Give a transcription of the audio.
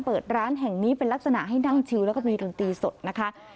เปิดร้านแห่งนี้เป็นลักษณะให้นั่งชิวแล้วก็มีดนตรีสดนะคะ